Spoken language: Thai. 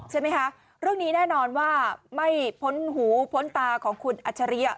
ใช่ไหมคะเรื่องนี้แน่นอนว่าไม่พ้นหูพ้นตาของคุณอัจฉริยะ